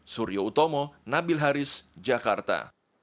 suryo utomo nabil haris jakarta